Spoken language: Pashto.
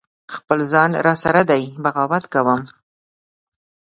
خپل ځان را سره دی بغاوت کوم